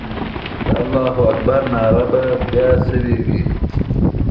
د الله اکبر ناره به بیا سوې وي.